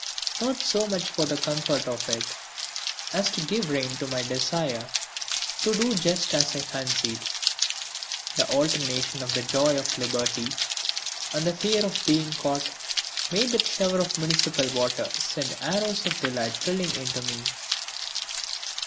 Not so much for the comfort of it, as to give rein to my desire to do just as I fancied. The alternation of the joy of liberty, and the fear of being caught, made that shower of municipal water send arrows of delight thrilling into me.